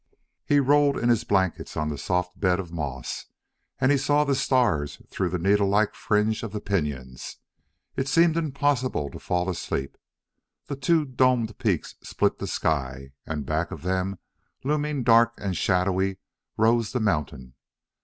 He rolled in his blankets on the soft bed of moss and he saw the stars through the needle like fringe of the pinyons. It seemed impossible to fall asleep. The two domed peaks split the sky, and back of them, looming dark and shadowy, rose the mountain.